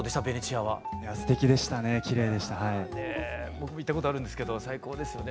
僕も行ったことあるんですけど最高ですよね。